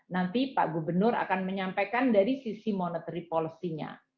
nanti pak gubernur akan menyampaikan dari sisi monetary policy nya